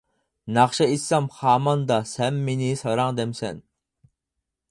ناخشا ئېيتسام خاماندا، سەن مېنى ساراڭ دەمسەن.